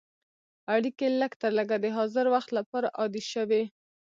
اړیکې لږترلږه د حاضر وخت لپاره عادي شوې.